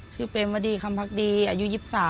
ชื่อเป็นวดีค่ำพักดีอายุ๒๓